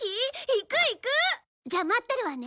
行く行く！じゃ待ってるわね。